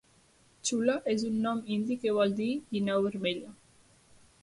Chula és un nom indi que vol dir "guineu vermella".